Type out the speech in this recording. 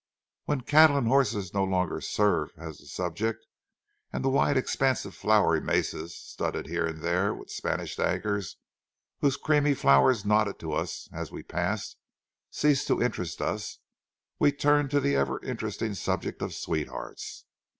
But when cattle and horses no longer served as a subject, and the wide expanse of flowery mesa, studded here and there with Spanish daggers whose creamy flowers nodded to us as we passed, ceased to interest us, we turned to the ever interesting subject of sweethearts.